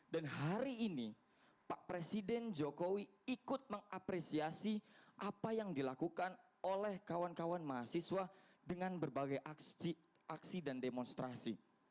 dan hari ini pak presiden jokowi ikut mengapresiasi apa yang dilakukan oleh kawan kawan mahasiswa dengan berbagai aksi dan demonstrasi